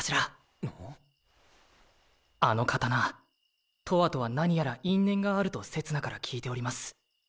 あの刀とわとは何やら因縁があるとせつなから聞いております。